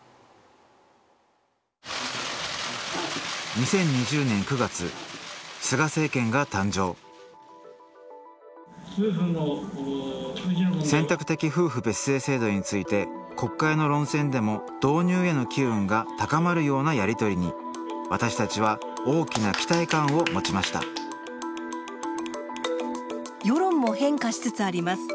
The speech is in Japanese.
２０２０年９月菅政権が誕生選択的夫婦別姓制度について国会の論戦でも導入への機運が高まるようなやり取りに私たちは大きな期待感を持ちました世論も変化しつつあります。